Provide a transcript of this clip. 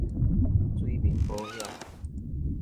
水面保險